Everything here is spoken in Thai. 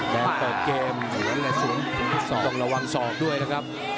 แกนตกเกมต้องระวังศอกด้วยนะครับ